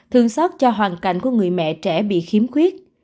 thương sóc cho hoàn cảnh của người mẹ trẻ bị khiếm khuyết